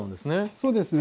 そうですね。